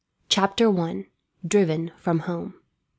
Chapter 1: Driven From Home.